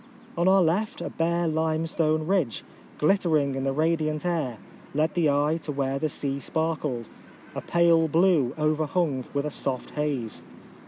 On our left a bare limestone ridge, glitter ing in the radiant air, led the eye to where the sea sparkled, a pale blue overhung with a soft haze.